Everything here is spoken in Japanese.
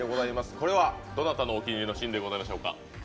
これは、どなたのお気に入りのシーンでございましょうか？